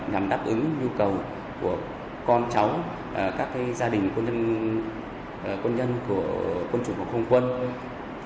nhằm đáp ứng nhu cầu của con cháu các gia đình quân nhân của quân chủng phòng không quân